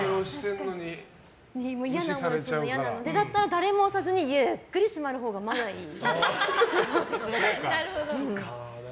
嫌なのでだったら誰も押さずにゆっくり閉まるほうがまだいい。